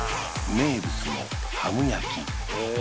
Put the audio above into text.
名物のハム焼へえ